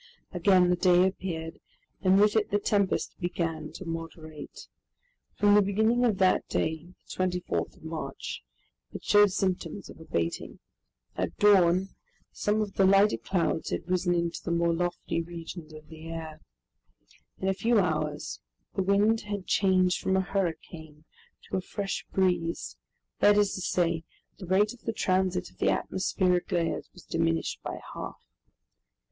Again the day appeared and with it the tempest began to moderate. From the beginning of that day, the 24th of March, it showed symptoms of abating. At dawn, some of the lighter clouds had risen into the more lofty regions of the air. In a few hours the wind had changed from a hurricane to a fresh breeze, that is to say, the rate of the transit of the atmospheric layers was diminished by half.